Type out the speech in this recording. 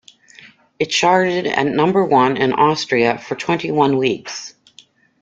It charted at number one in Austria for twenty-one weeks.